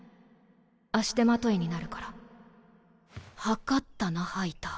足手まといになるから謀ったなハイター。